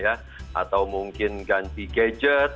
atau mungkin ganti gadget